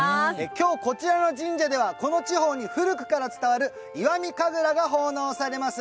今日、こちらの神社ではこの地方に古くから伝わる石見神楽が奉納されます。